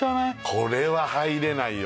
これは入れないよ